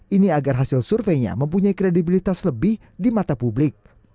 ini agar hasil surveinya mempunyai kredibilitas lebih di mata publik